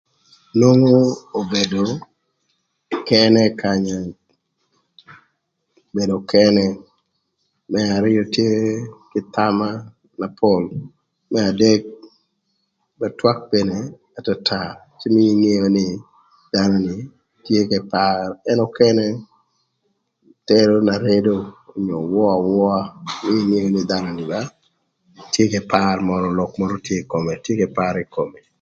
Nwongo obedo kënë bedo kënë, më arïö tye kï thama na pol, më adek më twak mene atata cë nen nï dhanö ni tye kï par ën ökënë tero na redo onyo wöö awöa cë ingeo nï dhanö ni ba tye kï par mörö lok mörö tye ï kome tye kï par ï kome.